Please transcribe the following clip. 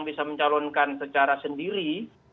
bisa mencalonkan secara sendiri